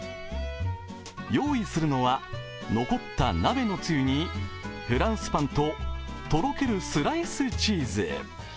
用意するのは残った鍋のつゆにフランスパンととろけるスライスチーズ。